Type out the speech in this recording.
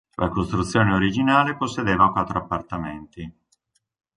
La costruzione originale possedeva quattro appartamenti.